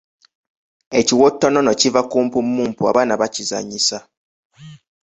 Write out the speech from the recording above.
Ekiwottonono kiva ku mpummumpu abaana bakizannyisa.